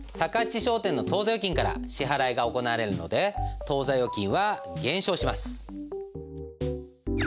ち商店の当座預金から支払いが行われるので当座預金は減少します。